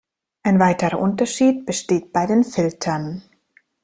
Ein weiterer Unterschied besteht bei den Filtern.